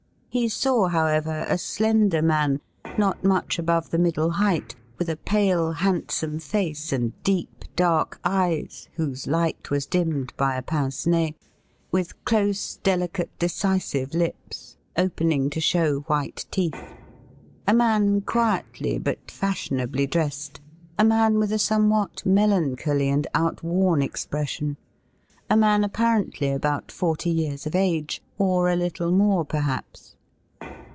He saw, however, a slender man, not much above the middle height, with a pale, handsome face, and deep dark eyes, whose light was dimmed by a pince nez, with close, delicate, decisive lips, opening to show white teeth ; a man quietly but fashionably dressed ; a man with a somewhat melancholy and outworn expres sion; a man apparently about forty years of age, or a little more, perhaps.